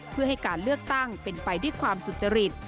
เพื่อให้การเลือกตั้งเป็นไปด้วยความสุจริต